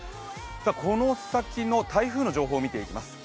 この先の台風の状況見ていきます。